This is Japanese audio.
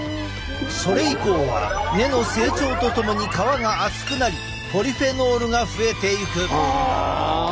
それ以降は根の成長とともに皮が厚くなりポリフェノールが増えていく。